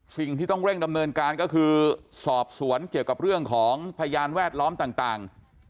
สิ่งที่ต้องเร่งดำเนินการก็คือสอบสวนเกี่ยวกับเรื่องของพยานแวดล้อมต่าง